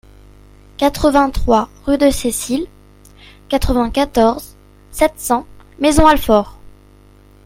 quatre-vingt-trois rue de Cécile, quatre-vingt-quatorze, sept cents, Maisons-Alfort